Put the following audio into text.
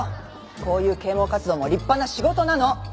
こういう啓蒙活動も立派な仕事なの！